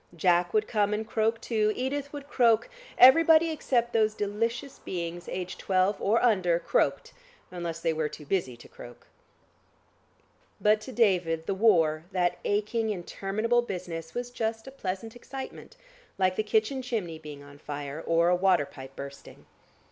Jack would come and croak too; Edith would croak; everybody except those delicious beings aged twelve or under, croaked, unless they were too busy to croak. But to David the war, that aching interminable business was just a pleasant excitement, like the kitchen chimney being on fire, or a water pipe bursting.